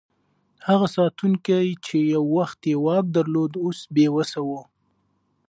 هغه ساتونکی چې یو وخت یې واک درلود، اوس بې وسه و.